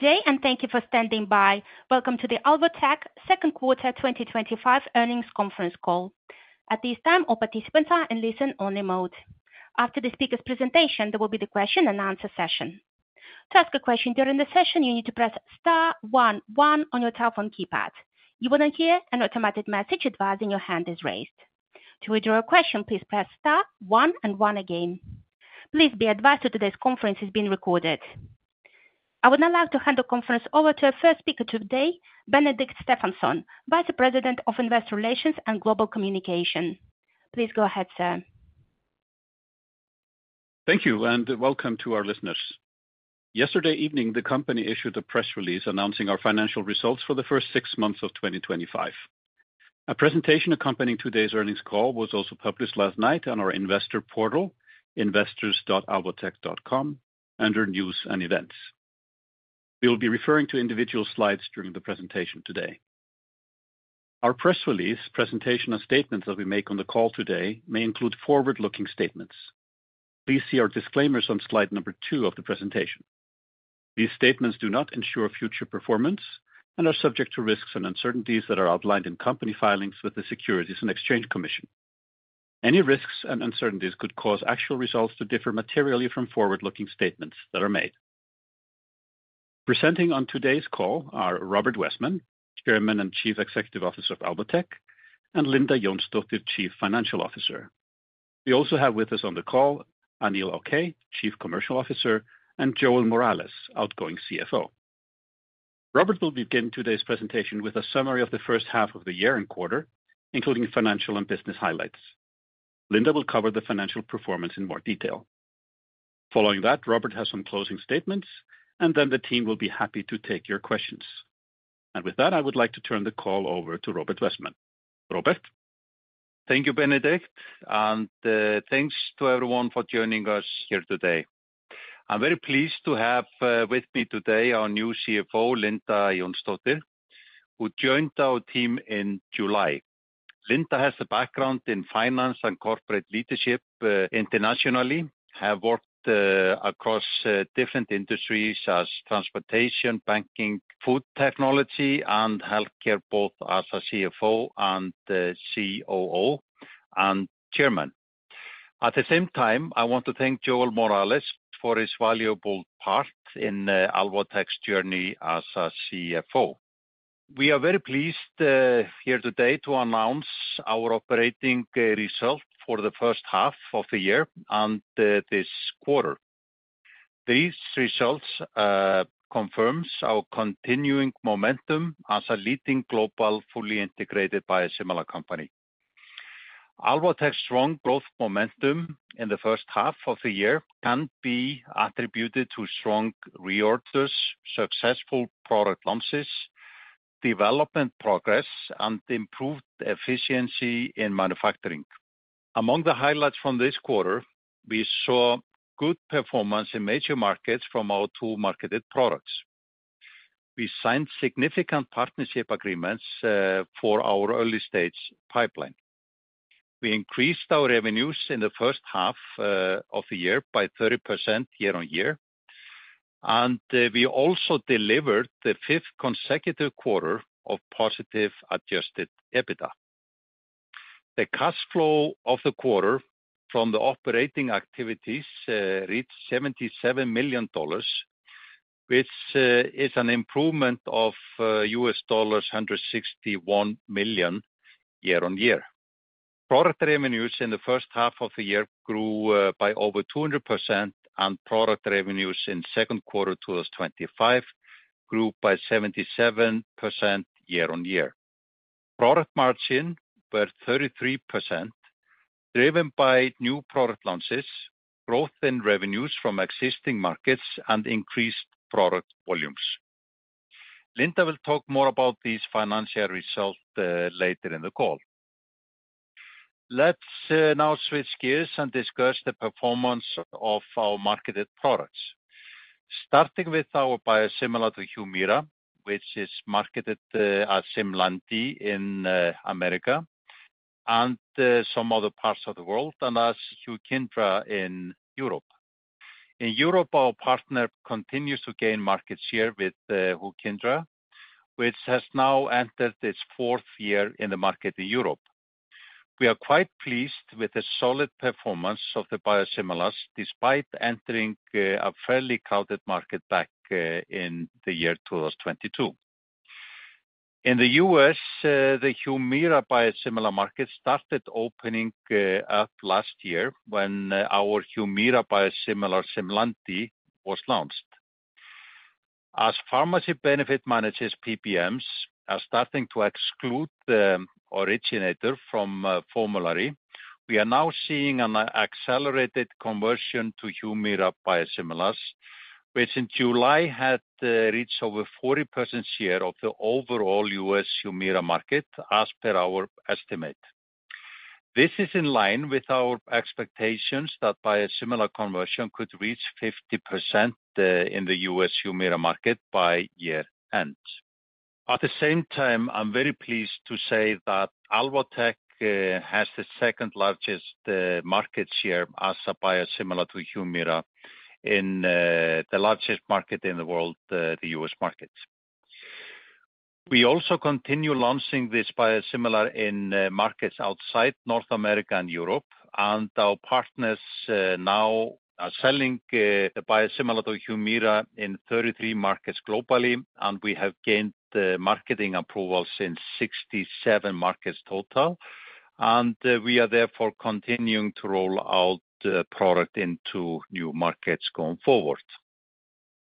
Today, and thank you for standing by. Welcome to the Alvotech Second Quarter 2025 Earnings Conference Call. At this time, all participants are in listen-only mode. After the speaker's presentation, there will be the question and answer session. To ask a question during the session, you need to press star one one on your telephone keypad. You will then hear an automatic message advising your hand is raised. To withdraw a question, please press star one and one again. Please be advised that today's conference is being recorded. I would now like to hand the conference over to our first speaker today, Benedikt Stefansson, Vice President of Investor Relations and Global Communication. Please go ahead, sir. Thank you, and welcome to our listeners. Yesterday evening, the company issued a press release announcing our financial results for the first six months of 2025. A presentation accompanying today's earnings call was also published last night on our investor portal, investors.alvotech.com, under News and Events. We will be referring to individual slides during the presentation today. Our press release, presentation, and statements that we make on the call today may include forward-looking statements. Please see our disclaimers on slide number two of the presentation. These statements do not ensure future performance and are subject to risks and uncertainties that are outlined in company filings with the Securities and Exchange Commission. Any risks and uncertainties could cause actual results to differ materially from forward-looking statements that are made. Presenting on today's call are Róbert Wessman, Chairman and Chief Executive Officer of Alvotech, and Linda Jónsdóttir, Chief Financial Officer. We also have with us on the call Anil Okay, Chief Commercial Officer, and Joel Morales, Outgoing CFO. Róbert will begin today's presentation with a summary of the first half of the year and quarter, including financial and business highlights. Linda will cover the financial performance in more detail. Following that, Róbert has some closing statements, and the team will be happy to take your questions. With that, I would like to turn the call over to Róbert Wessman. Róbert? Thank you, Benedikt, and thanks to everyone for joining us here today. I'm very pleased to have with me today our new CFO, Linda Jónsdóttir, who joined our team in July. Linda has a background in finance and corporate leadership internationally, has worked across different industries as transportation, banking, food technology, and healthcare, both as a CFO and COO and Chairman. At the same time, I want to thank Joel Morales for his valuable part in Alvotech's journey as a CFO. We are very pleased here today to announce our operating result for the first half of the year and this quarter. These results confirm our continuing momentum as a leading global fully integrated biosimilar company. Alvotech's strong growth momentum in the first half of the year can be attributed to strong reorders, successful product launches, development progress, and improved efficiency in manufacturing. Among the highlights from this quarter, we saw good performance in major markets from our two marketed products. We signed significant partnership agreements for our early-stage pipeline. We increased our revenues in the first half of the year by 30% year-on-year, and we also delivered the fifth consecutive quarter of positive adjusted EBITDA. The cash flow of the quarter from the operating activities reached $77 million, which is an improvement of $161 million year-on-year. Product revenues in the first half of the year grew by over 200%, and product revenues in the second quarter of 2025 grew by 77% year-on-year. Product margin was 33%, driven by new product launches, growth in revenues from existing markets, and increased product volumes. Linda will talk more about these financial results later in the call. Let's now switch gears and discuss the performance of our marketed products. Starting with our biosimilar, Humira, which is marketed as SIMLANDI in the U.S. and some other parts of the world, and as Hukyndra in Europe. In Europe, our partner continues to gain market share with Hukyndra, which has now entered its fourth year in the market in Europe. We are quite pleased with the solid performance of the biosimilars despite entering a fairly crowded market back in the year 2022. In the U.S., the Humira biosimilar market started opening up last year when our Humira biosimilar, SIMLANDI, was launched. As pharmacy benefit managers (PBMs) are starting to exclude the originator from formulary, we are now seeing an accelerated conversion to Humira biosimilars, which in July had reached over 40% share of the overall U.S. Humira market, as per our estimate. This is in line with our expectations that biosimilar conversion could reach 50% in the U.S. Humira market by year-end. At the same time, I'm very pleased to say that Alvotech has the second largest market share as a biosimilar to Humira in the largest market in the world, the U.S. market. We also continue launching this biosimilar in markets outside North America and Europe, and our partners now are selling the biosimilar to Humira in 33 markets globally, and we have gained marketing approvals in 67 markets total, and we are therefore continuing to roll out the product into new markets going forward.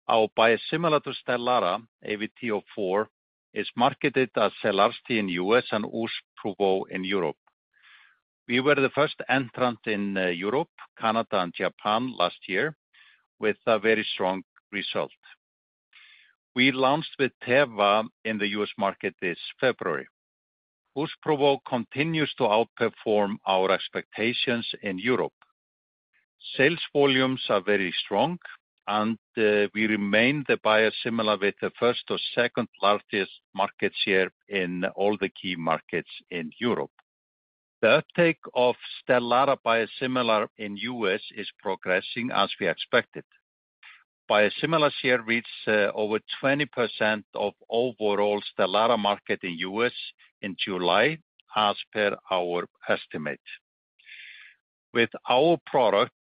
Our biosimilar to Stelara, AVT04, is marketed as SELARSDI in the U.S. and Uzpruvo in Europe. We were the first entrant in Europe, Canada, and Japan last year with a very strong result. We launched with Teva in the U.S. market this February. Uzpruvo continues to outperform our expectations in Europe. Sales volumes are very strong, and we remain the biosimilar with the first or second largest market share in all the key markets in Europe. The uptake of Stelara biosimilar in the U.S. is progressing as we expected. Biosimilar share reached over 20% of overall Stelara market in the U.S. in July, as per our estimate. With our product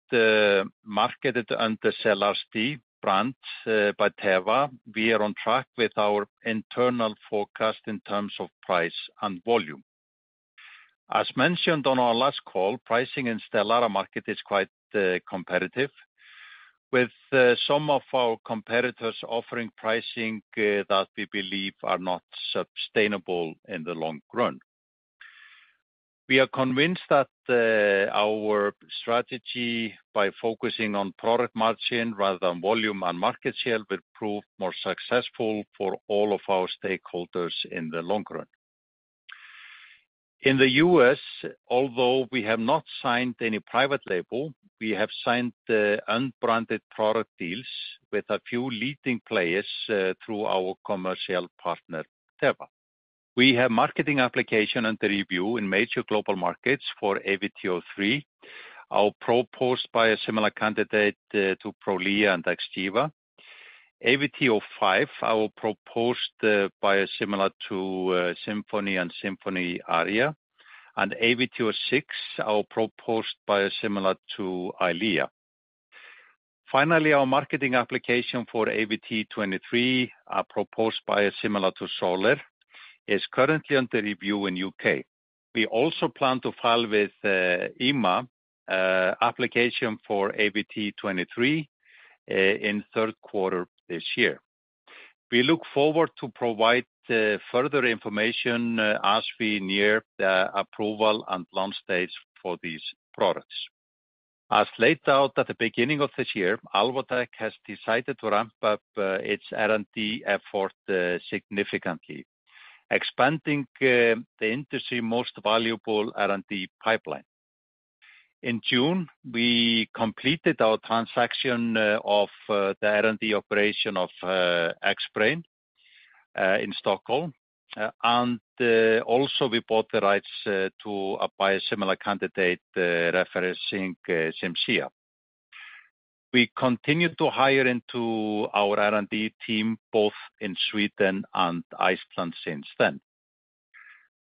marketed under SELARSDI brand by Teva, we are on track with our internal forecast in terms of price and volume. As mentioned on our last call, pricing in Stelara market is quite competitive, with some of our competitors offering pricing that we believe are not sustainable in the long run. We are convinced that our strategy by focusing on product margin rather than volume and market share will prove more successful for all of our stakeholders in the long run. In the U.S., although we have not signed any private label, we have signed unbranded product deals with a few leading players through our commercial partner, Teva. We have marketing application under review in major global markets for AVT03, our proposed biosimilar candidate to Prolia and Xgeva. AVT05, our proposed biosimilar to Simponi and Simponi Aria, and AVT06, our proposed biosimilar to Eylea. Finally, our marketing application for AVT23, our proposed biosimilar to Xolair, is currently under review in the U.K. We also plan to file with IMA an application for AVT23 in the third quarter this year. We look forward to provide further information as we near the approval and launch stage for these products. As laid out at the beginning of this year, Alvotech has decided to ramp up its R&D efforts significantly, expanding the industry's most valuable R&D pipeline. In June, we completed our transaction of the R&D operation of Xbrane in Stockholm, and also we bought the rights to a biosimilar candidate referencing Cimzia. We continued to hire into our R&D team both in Sweden and Iceland since then.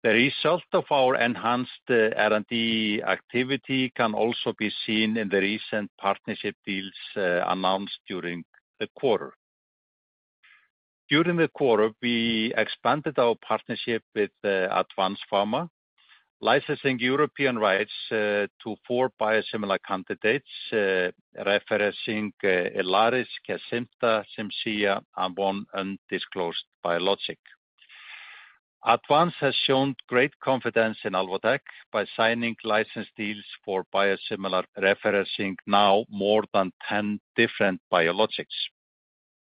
The result of our enhanced R&D activity can also be seen in the recent partnership deals announced during the quarter. During the quarter, we expanded our partnership with Advanz Pharma, licensing European rights to four biosimilar candidates referencing Ilaris, Kesimpta, Cimzia, and one undisclosed biologic. Advanz has shown great confidence in Alvotech by signing license deals for biosimilars referencing now more than 10 different biologics.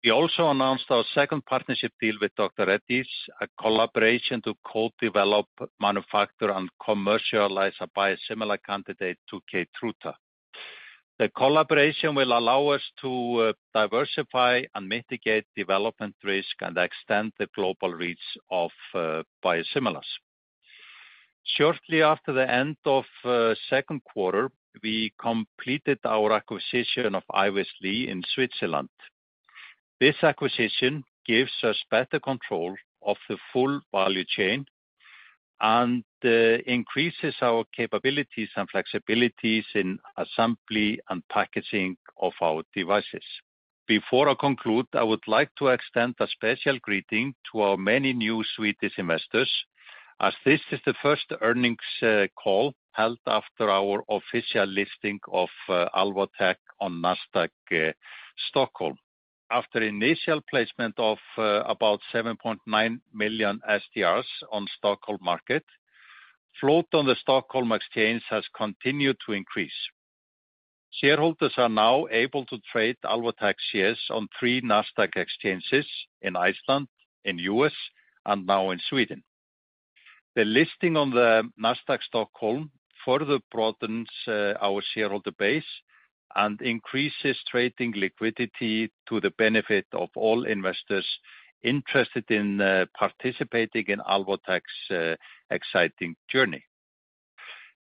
We also announced our second partnership deal with Dr. Reddy’s, a collaboration to co-develop, manufacture, and commercialize a biosimilar candidate to Keytruda. The collaboration will allow us to diversify and mitigate development risk and extend the global reach of biosimilars. Shortly after the end of the second quarter, we completed our acquisition of Ivers-Lee in Switzerland. This acquisition gives us better control of the full value chain and increases our capabilities and flexibilities in assembly and packaging of our devices. Before I conclude, I would like to extend a special greeting to our many new Swedish investors as this is the first earnings call held after our official listing of Alvotech on Nasdaq Stockholm. After initial placement of about 7.9 million STRs on the Stockholm market, float on the Stockholm exchange has continued to increase. Shareholders are now able to trade Alvotech shares on three Nasdaq exchanges in Iceland, in the U.S., and now in Sweden. The listing on the Nasdaq Stockholm further broadens our shareholder base and increases trading liquidity to the benefit of all investors interested in participating in Alvotech's exciting journey.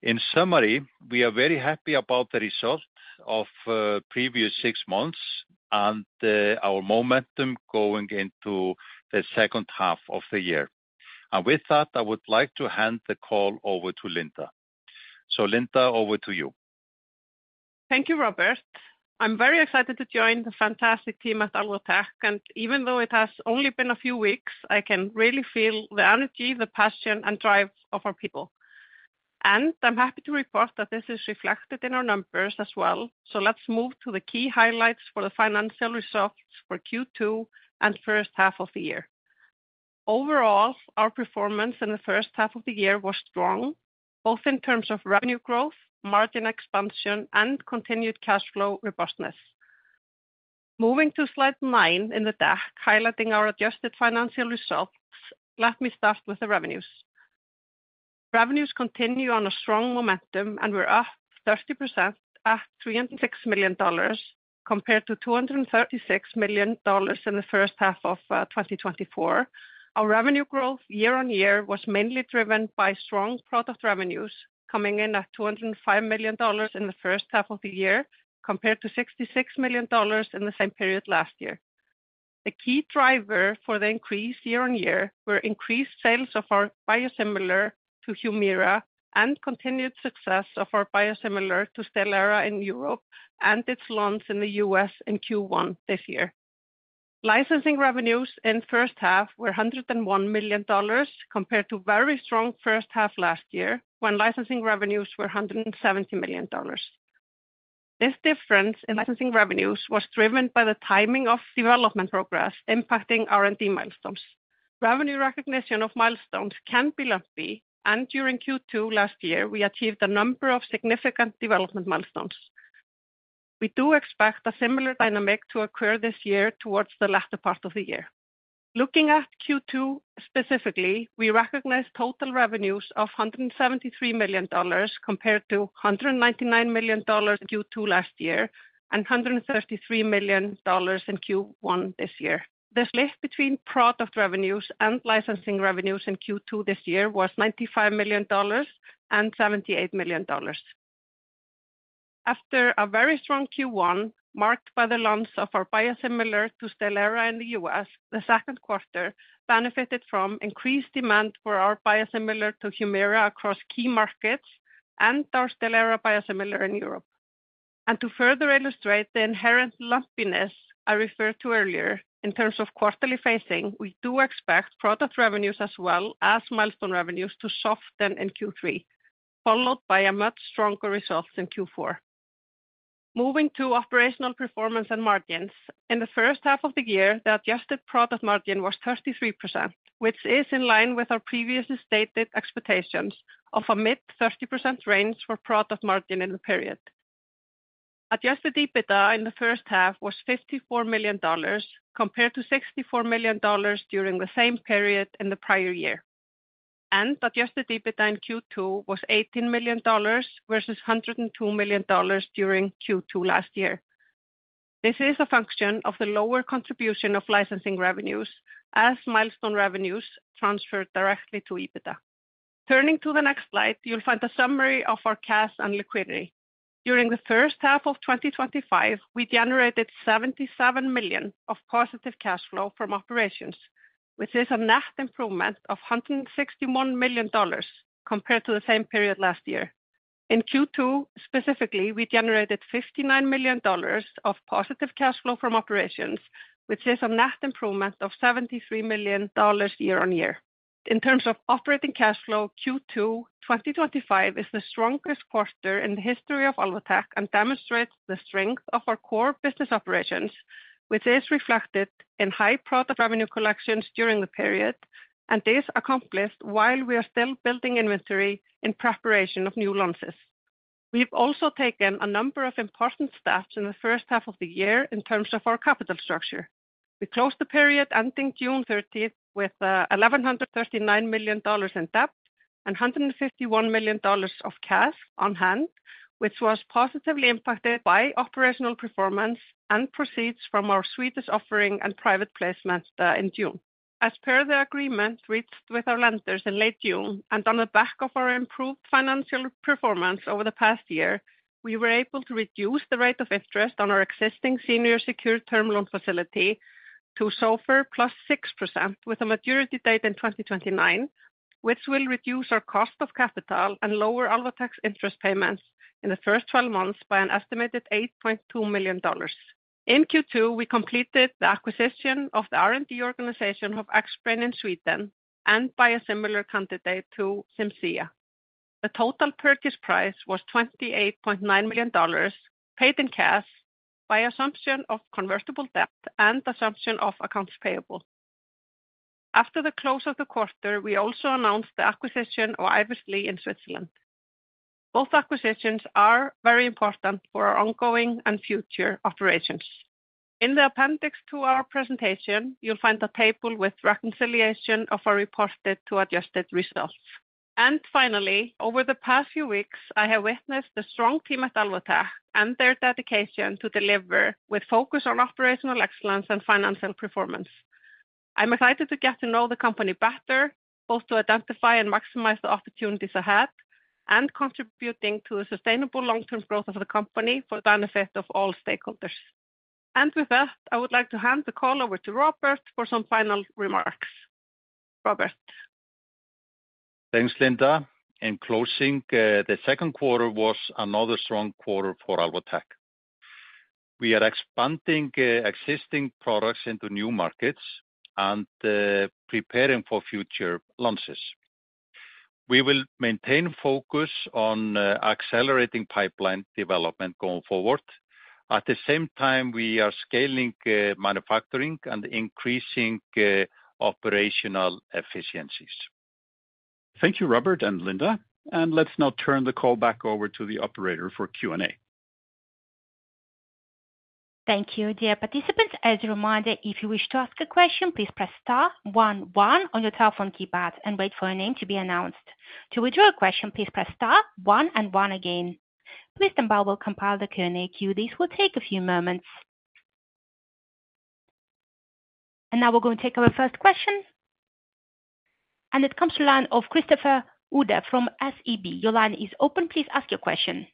In summary, we are very happy about the result of the previous six months and our momentum going into the second half of the year. With that, I would like to hand the call over to Linda. Linda, over to you. Thank you, Róbert. I'm very excited to join the fantastic team at Alvotech, and even though it has only been a few weeks, I can really feel the energy, the passion, and drive of our people. I'm happy to report that this is reflected in our numbers as well. Let's move to the key highlights for the financial results for Q2 and first half of the year. Overall, our performance in the first half of the year was strong, both in terms of revenue growth, margin expansion, and continued cash flow robustness. Moving to slide nine in the deck, highlighting our adjusted financial results, let me start with the revenues. Revenues continue on a strong momentum, and we're up 30% at $306 million compared to $236 million in the first half of 2024. Our revenue growth year-on-year was mainly driven by strong product revenues coming in at $205 million in the first half of the year compared to $66 million in the same period last year. The key driver for the increase year-on-year were increased sales of our biosimilar to Humira and continued success of our biosimilar to Stelara in Europe and its launch in the U.S. in Q1 this year. Licensing revenues in the first half were $101 million compared to a very strong first half last year when licensing revenues were $170 million. This difference in licensing revenues was driven by the timing of development progress impacting R&D milestones. Revenue recognition of milestones can be lengthy, and during Q2 last year, we achieved a number of significant development milestones. We do expect a similar dynamic to occur this year towards the latter part of the year. Looking at Q2 specifically, we recognize total revenues of $173 million compared to $199 million in Q2 last year and $133 million in Q1 this year. The split between product revenues and licensing revenues in Q2 this year was $95 million and $78 million. After a very strong Q1 marked by the launch of our biosimilar to Stelara in the U.S., the second quarter benefited from increased demand for our biosimilar to Humira across key markets and our Stelara biosimilar in Europe. To further illustrate the inherent lengthiness I referred to earlier, in terms of quarterly phasing, we do expect product revenues as well as milestone revenues to soften in Q3, followed by a much stronger result in Q4. Moving to operational performance and margins, in the first half of the year, the adjusted product margin was 33%, which is in line with our previously stated expectations of a mid-30% range for product margin in the period. Adjusted EBITDA in the first half was $54 million compared to $64 million during the same period in the prior year. Adjusted EBITDA in Q2 was $18 million versus $102 million during Q2 last year. This is a function of the lower contribution of licensing revenues as milestone revenues transferred directly to EBITDA. Turning to the next slide, you'll find a summary of our cash and liquidity. During the first half of 2025, we generated $77 million of positive cash flow from operations, which is a net improvement of $161 million compared to the same period last year. In Q2 specifically, we generated $59 million of positive cash flow from operations, which is a net improvement of $73 million year-on-year. In terms of operating cash flow, Q2 2025 is the strongest quarter in the history of Alvotech and demonstrates the strength of our core business operations, which is reflected in high product revenue collections during the period, and is accomplished while we are still building inventory in preparation of new launches. We've also taken a number of important steps in the first half of the year in terms of our capital structure. We closed the period ending June 30 with $1,139,000 in debt and $151 million of cash on hand, which was positively impacted by operational performance and proceeds from our Swedish offering and private placement in June. As per the agreement reached with our lenders in late June, and on the back of our improved financial performance over the past year, we were able to reduce the rate of interest on our existing senior secured term loan facility to SOFR +6% with a maturity date in 2029, which will reduce our cost of capital and lower Alvotech's interest payments in the first 12 months by an estimated $8.2 million. In Q2, we completed the acquisition of the R&D organization of Xbrane in Sweden and biosimilar candidate to Cimzia. The total purchase price was $28.9 million paid in cash, by assumption of convertible debt and assumption of accounts payable. After the close of the quarter, we also announced the acquisition of Ivers-Lee in Switzerland. Both acquisitions are very important for our ongoing and future operations. In the appendix to our presentation, you'll find a table with reconciliation of our reported to adjusted results. Finally, over the past few weeks, I have witnessed the strong team at Alvotech and their dedication to deliver with focus on operational excellence and financial performance. I'm excited to get to know the company better, both to identify and maximize the opportunities ahead, and contributing to the sustainable long-term growth of the company for the benefit of all stakeholders. With that, I would like to hand the call over to Róbert for some final remarks. Róbert. Thanks, Linda. In closing, the second quarter was another strong quarter for Alvotech. We are expanding existing products into new markets and preparing for future launches. We will maintain focus on accelerating pipeline development going forward. At the same time, we are scaling manufacturing and increasing operational efficiencies. Thank you, Róbert and Linda. Let's now turn the call back over to the operator for Q&A. Thank you, dear participants. As a reminder, if you wish to ask a question, please press star one one on your telephone keypad and wait for a name to be announced. To withdraw a question, please press star one one again. Listeners will compile the Q&A queue. This will take a few moments. Now we're going to take our first question. It comes to the line of Christopher Uhde from SEB. Your line is open. Please ask your question.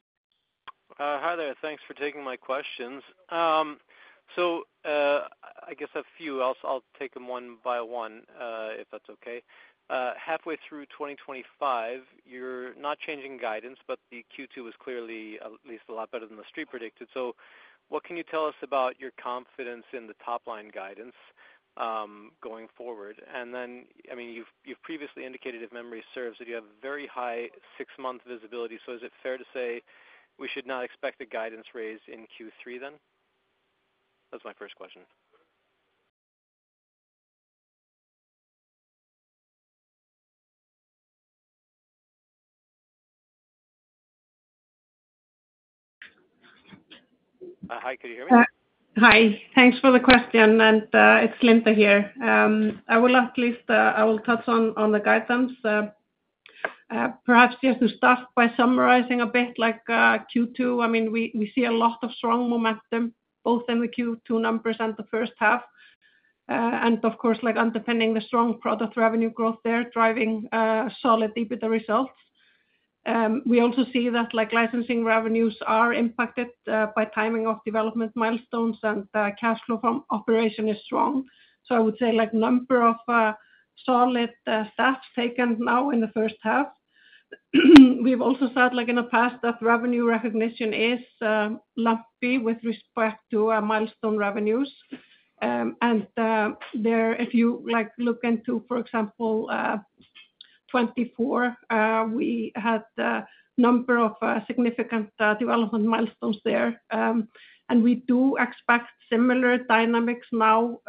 Hi there. Thanks for taking my questions. I guess a few. I'll take them one by one if that's okay. Halfway through 2025, you're not changing guidance, but Q2 was clearly at least a lot better than the Street predicted. What can you tell us about your confidence in the top-line guidance going forward? You've previously indicated, if memory serves, that you have very high six-month visibility. Is it fair to say we should not expect a guidance raise in Q3 then? That's my first question. Hi. Could you hear me? Hi. Thanks for the question. It's Linda here. I will at least touch on the guidance. Perhaps just to start by summarizing a bit, like Q2, we see a lot of strong momentum both in the Q2 numbers and the first half. Of course, underpinning the strong product revenue growth there driving solid EBITDA results. We also see that licensing revenues are impacted by timing of development milestones, and cash flow from operation is strong. I would say a number of solid steps taken now in the first half. We've also said in the past that revenue recognition is lengthy with respect to milestone revenues. If you look into, for example, 2024, we had a number of significant development milestones there. We do expect similar dynamics now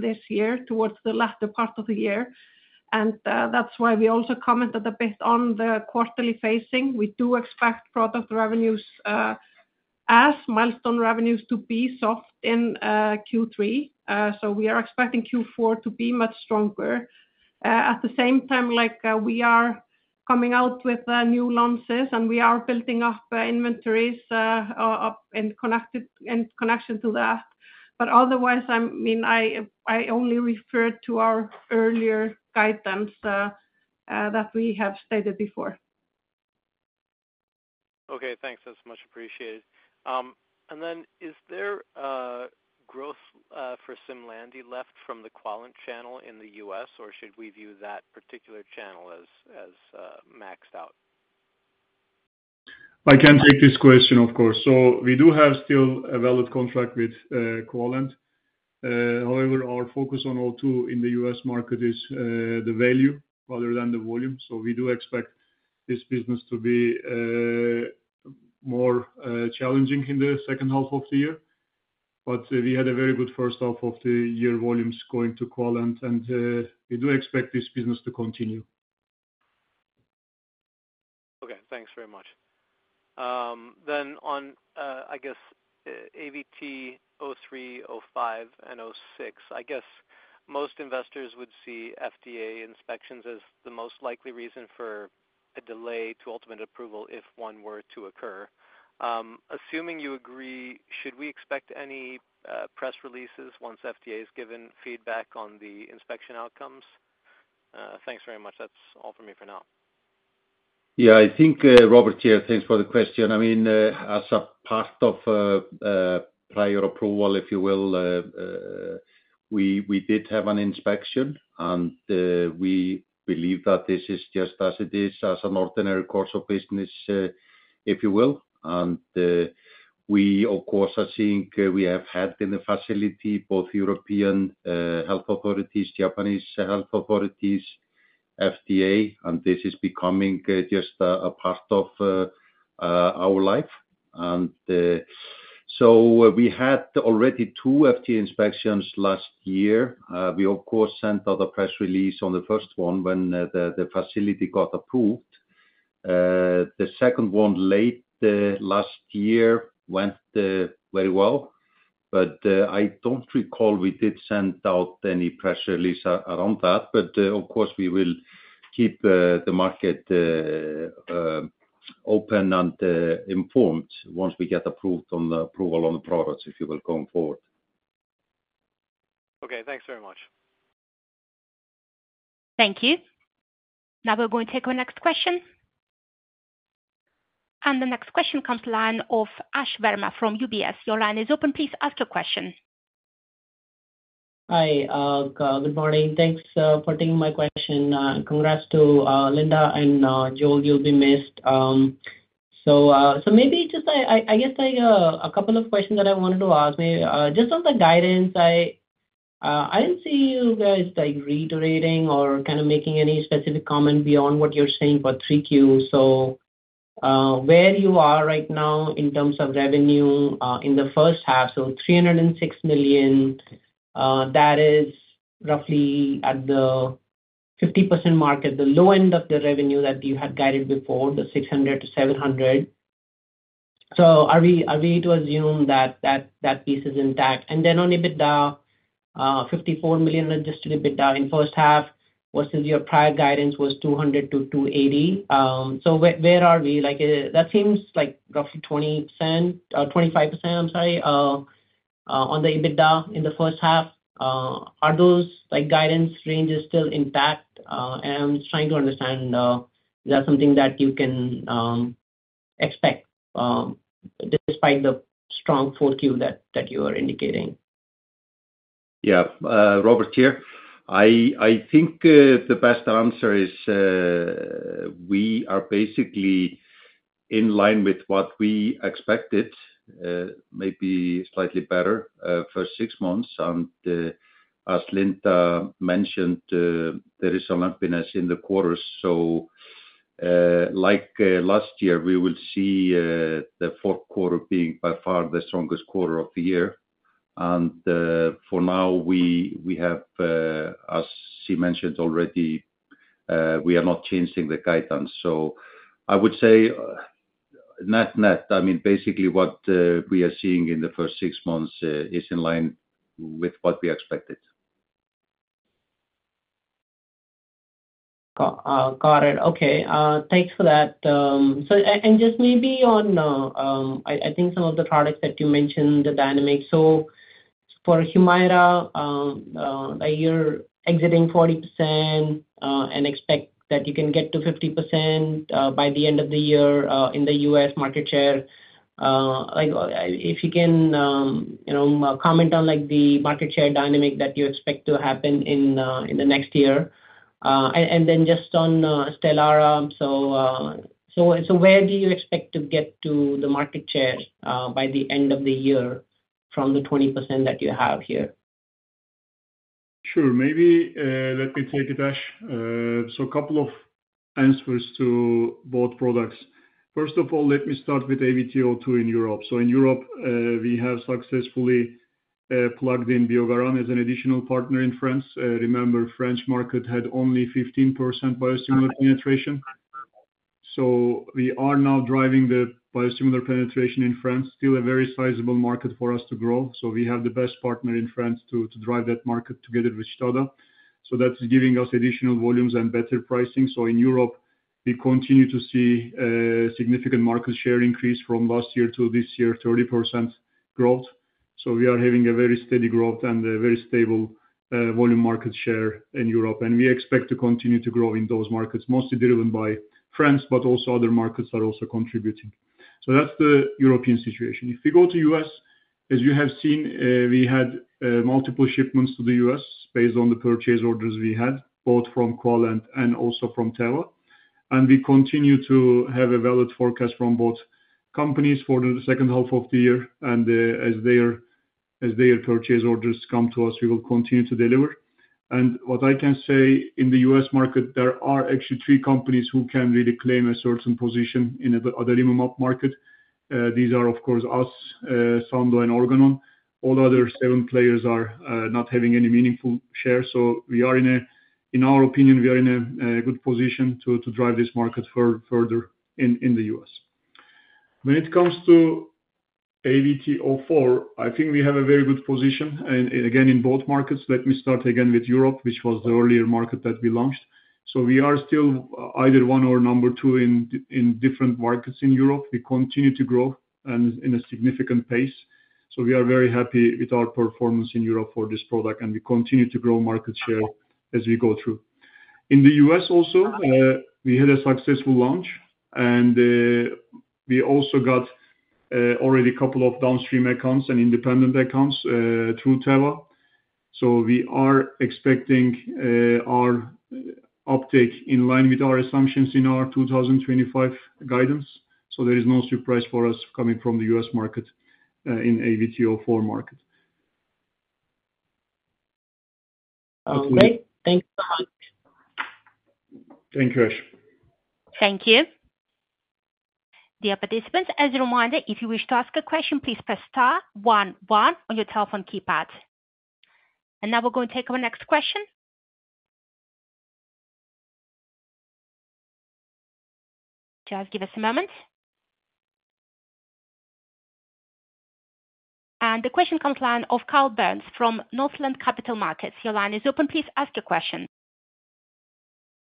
this year towards the latter part of the year. That's why we also commented a bit on the quarterly phasing. We do expect product revenues as milestone revenues to be soft in Q3. We are expecting Q4 to be much stronger. At the same time, we are coming out with new launches and we are building up inventories in connection to that. Otherwise, I only refer to our earlier guidance that we have stated before. Okay. Thanks. That's much appreciated. Is there growth for SIMLANDI left from the Quallent channel in the U.S., or should we view that particular channel as maxed out? I can take this question, of course. We do have still a valid contract with Quallent. However, our focus on O2 in the U.S. market is the value rather than the volume. We do expect this business to be more challenging in the second half of the year. We had a very good first half of the year volumes going to Quallent, and we do expect this business to continue. Okay. Thanks very much. On AVT03, AVT05, and AVT06, I guess most investors would see FDA inspections as the most likely reason for a delay to ultimate approval if one were to occur. Assuming you agree, should we expect any press releases once FDA has given feedback on the inspection outcomes? Thanks very much. That's all from me for now. Yeah. I think Róbert here. Thanks for the question. As a part of prior approval, if you will, we did have an inspection, and we believe that this is just as it is as an ordinary course of business, if you will. We, of course, are seeing we have had in the facility both European health authorities, Japanese health authorities, FDA, and this is becoming just a part of our life. We had already two FDA inspections last year. We, of course, sent out a press release on the first one when the facility got approved. The second one late last year went very well, but I don't recall we did send out any press release around that. We will keep the market open and informed once we get approved on the approval on the products, if you will, going forward. Okay, thanks very much. Thank you. Now we're going to take our next question. The next question comes to the line of Ash Verma from UBS. Your line is open. Please ask your question. Hi. Good morning. Thanks for taking my question. Congrats to Linda and Joel. You'll be missed. Maybe just a couple of questions that I wanted to ask. On the guidance, I don't see you guys reiterating or making any specific comment beyond what you're saying for 3Q. Where you are right now in terms of revenue in the first half, $306 million, that is roughly at the 50% mark, at the low end of the revenue that you had guided before, the $600 million-$700 million. Are we to assume that that piece is intact? On EBITDA, $54 million adjusted EBITDA in the first half versus your prior guidance was $200 million-$280 million. Where are we? That seems like roughly 20% or 25%, I'm sorry, on the EBITDA in the first half. Are those guidance ranges still intact? I'm trying to understand, is that something that you can expect despite the strong 4Q that you are indicating? Yeah. Róbert here. I think the best answer is we are basically in line with what we expected, maybe slightly better, first six months. As Linda mentioned, there is a lengthiness in the quarters. Like last year, we will see the fourth quarter being by far the strongest quarter of the year. For now, we have, as she mentioned already, we are not changing the guidance. I would say net, net. I mean, basically what we are seeing in the first six months is in line with what we expected. Got it. Okay. Thanks for that. Just maybe on, I think, some of the products that you mentioned, the dynamics. For Humira, you're exiting 40% and expect that you can get to 50% by the end of the year in the U.S. market share. If you can comment on the market share dynamic that you expect to happen in the next year. Just on Stelara, where do you expect to get to the market share by the end of the year from the 20% that you have here? Sure. Maybe let me take it, Ash. A couple of answers to both products. First of all, let me start with AVT02 in Europe. In Europe, we have successfully plugged in Biogaran as an additional partner in France. Remember, the French market had only 15% biosimilar penetration. We are now driving the biosimilar penetration in France, still a very sizable market for us to grow. We have the best partner in France to drive that market together with Stada. That is giving us additional volumes and better pricing. In Europe, we continue to see a significant market share increase from last year to this year, 30% growth. We are having a very steady growth and a very stable volume market share in Europe. We expect to continue to grow in those markets, mostly driven by France, but other markets are also contributing. That is the European situation. If we go to the U.S., as you have seen, we had multiple shipments to the U.S. based on the purchase orders we had, both from Quallent and also from Teva. We continue to have a valid forecast from both companies for the second half of the year. As their purchase orders come to us, we will continue to deliver. What I can say in the U.S. market, there are actually three companies who can really claim a certain position in the adalimumab market. These are, of course, us, Sandoz, and Organon. All the other seven players are not having any meaningful shares. We are, in our opinion, in a good position to drive this market further in the U.S. When it comes to AVT04, I think we have a very good position. In both markets, let me start again with Europe, which was the earlier market that we launched. We are still either one or number two in different markets in Europe. We continue to grow at a significant pace. We are very happy with our performance in Europe for this product, and we continue to grow market share as we go through. In the U.S. also, we had a successful launch, and we also got already a couple of downstream accounts and independent accounts through Teva. We are expecting our uptake in line with our assumptions in our 2025 guidance. There is no surprise for us coming from the U.S. market in AVT04 market. Great. Thanks. Thank you, Ash. Thank you. Dear participants, as a reminder, if you wish to ask a question, please press star one one on your telephone keypad. Now we're going to take our next question. Just give us a moment. The question comes to the line of Carl Byrnes from Northland Capital Markets. Your line is open. Please ask your question.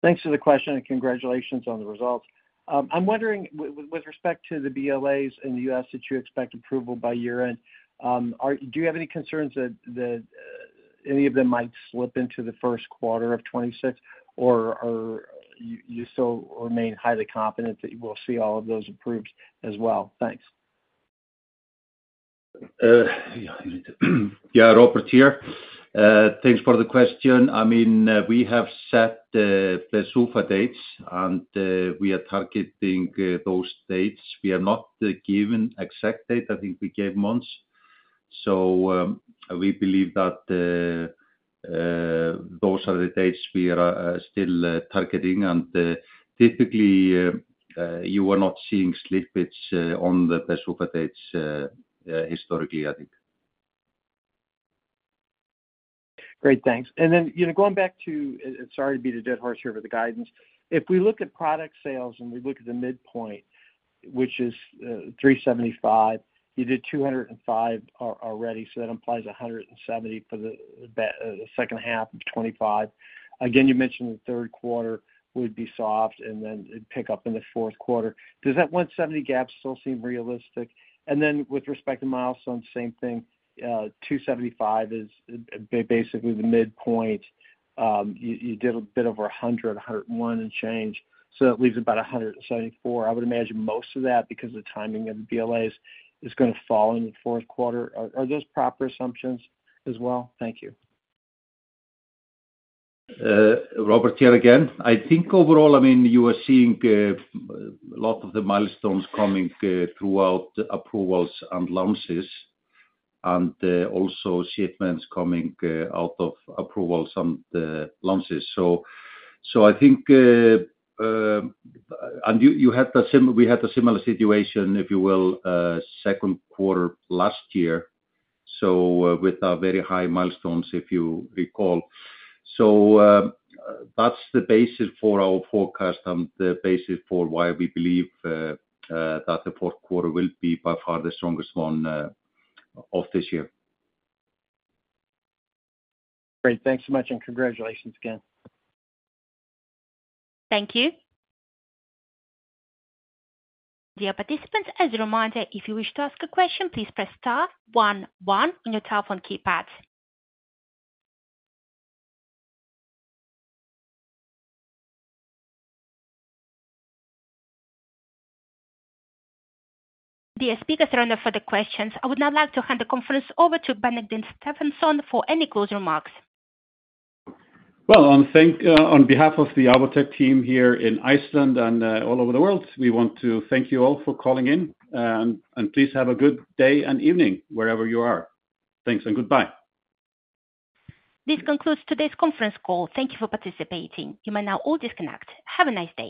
Thanks for the question and congratulations on the results. I'm wondering, with respect to the BLAs in the U.S., did you expect approval by year-end? Do you have any concerns that any of them might slip into the first quarter of 2026, or are you still remain highly confident that we'll see all of those approved as well? Thanks. Yeah. Róbert here. Thanks for the question. I mean, we have set the PDUFA dates, and we are targeting those dates. We are not given exact dates. I think we gave months. We believe that those are the dates we are still targeting. Typically, you are not seeing slippage on the PDUFA dates historically, I think. Great. Thanks. Going back to, sorry to beat the dead horse here, but the guidance. If we look at product sales and we look at the midpoint, which is $375 million, you did $205 million already. That implies $170 million for the second half of 2025. You mentioned the third quarter would be soft and then it'd pick up in the fourth quarter. Does that $170 million gap still seem realistic? With respect to milestones, same thing. $275 million is basically the midpoint. You did a bit over $100 million, $101 million and change. That leaves about $174 million. I would imagine most of that, because of the timing of the BLAs, is going to fall in the fourth quarter. Are those proper assumptions as well? Thank you. Róbert here again. I think overall, you are seeing a lot of the milestones coming throughout approvals and launches, and also shipments coming out of approvals and launches. I think you had the same, we had a similar situation, if you will, second quarter last year with our very high milestones, if you recall. That's the basis for our forecast and the basis for why we believe that the fourth quarter will be by far the strongest one of this year. Great. Thanks so much, and congratulations again. Thank you. Dear participants, as a reminder, if you wish to ask a question, please press star one, one on your telephone keypad. The speakers are no further questions. I would now like to hand the conference over to Benedikt Stefansson for any closing remarks. On behalf of the Alvotech team here in Iceland and all over the world, we want to thank you all for calling in. Please have a good day and evening wherever you are. Thanks and goodbye. This concludes today's conference call. Thank you for participating. You may now all disconnect. Have a nice day.